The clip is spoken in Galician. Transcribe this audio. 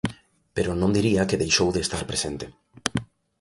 Pero non diría que deixou de estar presente.